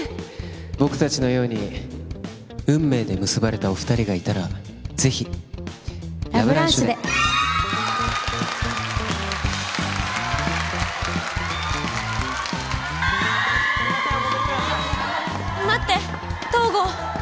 僕達のように運命で結ばれたお二人がいたらぜひラ・ブランシュでラ・ブランシュで待って東郷